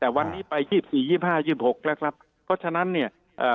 แต่วันนี้ไป๒๔๒๕๒๖แล้วครับเพราะฉะนั้นเนี่ย